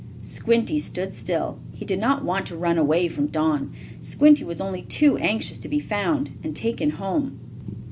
Squinty stood still. He did not want to run away from Don. Squinty was only too anxious to be found, and taken home.